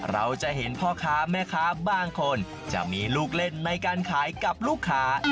เราจะเห็นพ่อค้าแม่ค้าบางคนจะมีลูกเล่นในการขายกับลูกค้า